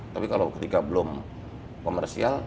tapi kalau ketika belum komersial